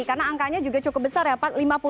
karena angkanya juga cukup besar ya pak